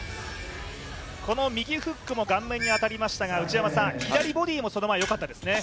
この右フックも顔面に当たりましたが左ボディも、その前よかったですね。